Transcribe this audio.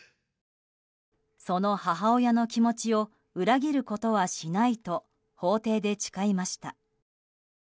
その母親の気持ちを裏切ることはしないと法廷で誓いました。